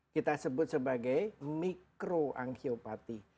kita sebut sebagai mikroangiopati